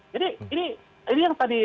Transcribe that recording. jadi ini yang tadi